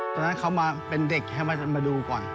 ตอนนั้นเขามาเป็นเด็กให้มาดูก่อน